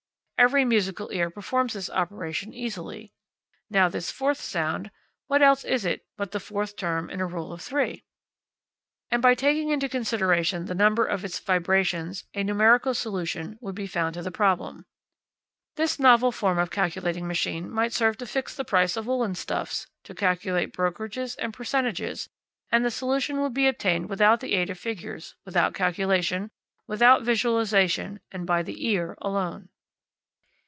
Every musical ear performs this operation easily; now, this fourth sound, what else is it but the fourth term in a rule of three? And by taking into consideration the number of its vibrations a numerical solution would be found to the problem. This novel form of calculating machine might serve to fix the price of woollen stuffs, to calculate brokerages and percentages, and the solution would be obtained without the aid of figures, without calculation, without visualisation, and by the ear alone.